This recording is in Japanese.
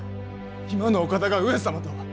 今のお方が上様とは！